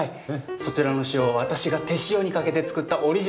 そちらの塩は私が手塩にかけて作ったオリジナルの塩でございます。